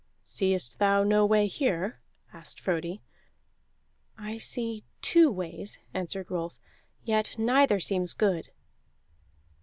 "Seest thou no way here?" asked Frodi. "I see two ways," answered Rolf, "yet neither seems good."